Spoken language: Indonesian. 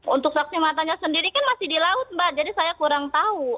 untuk saksi matanya sendiri kan masih di laut mbak jadi saya kurang tahu